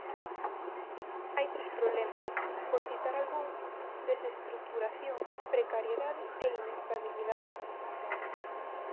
Hai tres problemas, por citar algún: desestruturación, precariedade e inestabilidade.